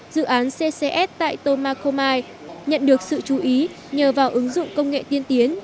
dự án ccs tại tomakomai nhận được sự chú ý nhờ vào ứng dụng công nghệ tiên tiến